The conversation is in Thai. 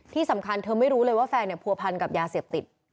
ที่สำคัญเธอไม่รู้เลยว่าแฟนเนี่ยผัวพันกับยาเสพติด